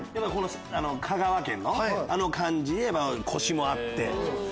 香川県のあの感じでコシもあって。